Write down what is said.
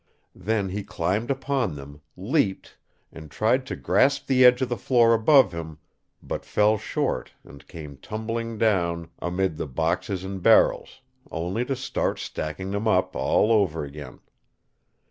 Then he climbed upon them, leaped, and tried to grasp the edge of the floor above him, but fell short and came tumbling down amid the boxes and barrels, only to start stacking them up all over again.